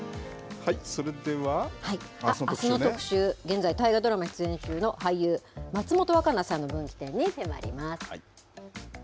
あすの特集、現在、大河ドラマ出演中の俳優、松本若菜さんの分岐点に迫ります。